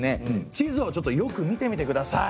地図をよく見てみてください。